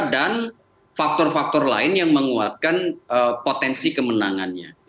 dan faktor faktor lain yang menguatkan potensi kemenangannya